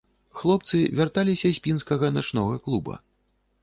Хлопцы вярталіся з пінскага начнога клуба.